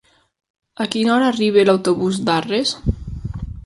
A quina hora arriba l'autobús d'Arres?